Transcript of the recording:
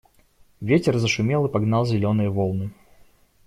Ветер зашумел и погнал зеленые волны.